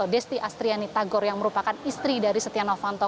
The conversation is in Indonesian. desti astriani tagor yang merupakan istri dari setia novanto